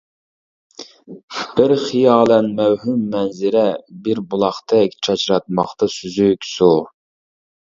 بىر خىيالەن مەۋھۇم مەنزىرە، بىر بۇلاقتەك چاچراتماقتا سۈزۈك سۇ.